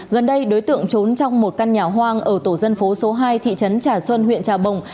gần đây đối tượng trốn trong một căn nhà hoang ở tổ dân phố số hai thị trấn trà xuân huyện trà bồng